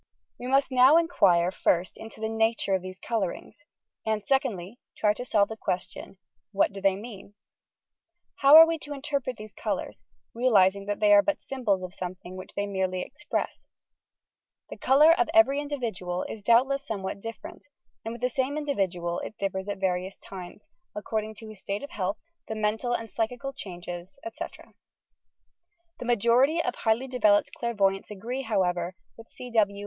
We must now inquire first into the nature of these colourings, and' secondly try to solve the question '' what do they mean V '' How are we to interpret these colours, realizing that they are but sjinbols of something which they merely express? The colour of every individual is doubtless somewhat different, and with the same individual it differs at various times, according to his state of health, the mental and psychical changes, etc. The majority of highly developed clairvoyants agree, however, with C. W.